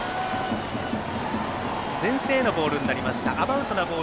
前線へのボールになりました。